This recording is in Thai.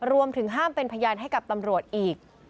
รวมถึงห้ามเป็นพยานให้กับตำรวจอีก